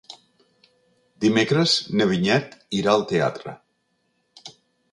Dimecres na Vinyet irà al teatre.